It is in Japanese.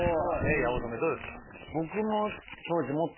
八乙女どうですか？